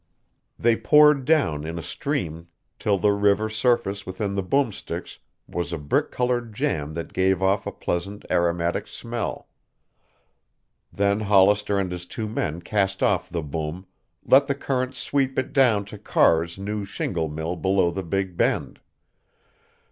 They poured down in a stream till the river surface within the boom sticks was a brick colored jam that gave off a pleasant aromatic smell. Then Hollister and his two men cast off the boom, let the current sweep it down to Carr's new shingle mill below the Big Bend.